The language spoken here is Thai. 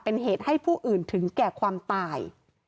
เป็นเหตุให้ผู้อื่นถึงแก่ความตาย